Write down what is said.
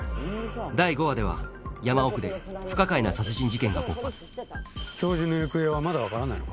第５話では山奥で不可解な殺人事件が勃発教授の行方はまだ分からないのか？